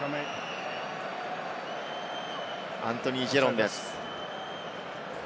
アントニー・ジェロンです。